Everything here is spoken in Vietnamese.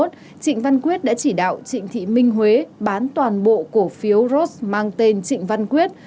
trịnh văn quyết đã chỉ đạo trịnh thị minh huế bán toàn bộ cổ phiếu ros mang tên trịnh văn quyết